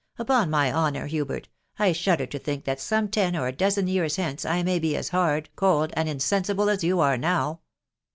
" Upon my honour, Hubert, I shudder to think . that some ten or a dozen years hence I may be as hard, cold, and insensible as you are now.